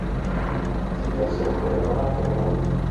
Se casó con Leonora Foreman.